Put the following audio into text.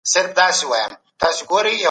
څه شی د خلګو ترمنځ د باور فضا رامنځته کوي؟